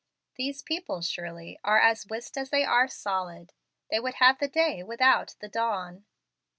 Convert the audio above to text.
These people, surely, are as wist as they are solid. They would have the day without the dawn.